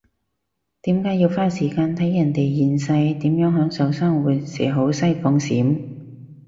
點解要花時間睇人哋現世點樣享受生活食好西放閃？